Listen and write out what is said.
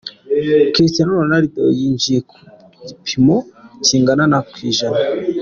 Cristiano Ronaldo :yinjiza ku gipimo kingana na ku ijana.